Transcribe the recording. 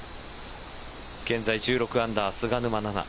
現在１６アンダー菅沼菜々